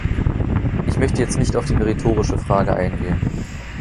Ich möchte jetzt nicht auf die meritorische Frage eingehen.